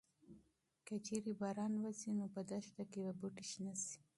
که چېرې باران وشي نو په دښته کې به بوټي شنه شي.